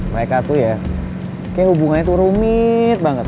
mereka tuh ya kayaknya hubungannya tuh rumit banget